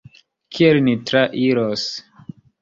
Kiel ni trairos?